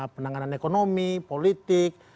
penanganan ekonomi politik